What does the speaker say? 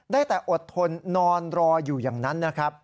ได้แต่อดทนนอนรออยู่อย่างนั้น